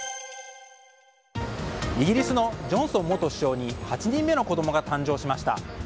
イギリスのジョンソン元首相に８人目の子供が誕生しました。